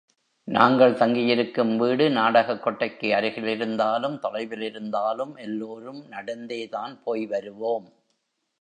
நாங்கள் தங்கியிருக்கும் வீடு நாடகக் கொட்டகைக்கு அருகிலிருந்தாலும் தொலைவிலிருந்தாலும் எல்லோரும் நடந்தே தான் போய் வருவோம்.